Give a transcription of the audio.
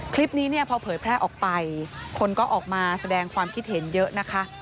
คลิปนี้เนี่ยพอเผยแพร่ออกไปคนก็ออกมาแสดงความคิดเห็นเยอะนะคะ